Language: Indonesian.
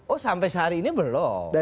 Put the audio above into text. oh sampai sehari ini belum